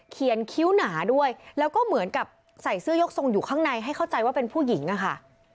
คิ้วหนาด้วยแล้วก็เหมือนกับใส่เสื้อยกทรงอยู่ข้างในให้เข้าใจว่าเป็นผู้หญิงอะค่ะ